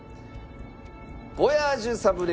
ヴォヤージュサブレ